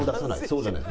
そうじゃない。